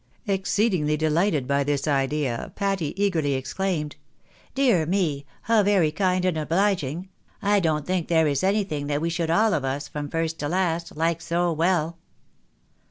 Exceedingly dehghted by this idea, Patty eagerly ex claimed —" Dear me ! how very kind and obliging — don't think there is anything that we should all of us, from first to last, like so well."